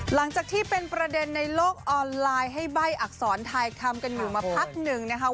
หลังจากที่เป็นประเด็นในโลกออนไลน์ให้ใบ้อักษรทายคำกันอยู่มาพักหนึ่งนะคะ